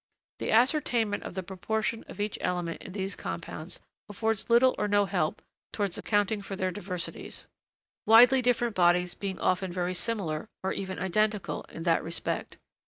The ascertainment of the proportion of each element in these compounds affords little or no help towards accounting for their diversities; widely different bodies being often very similar, or even identical, in that respect.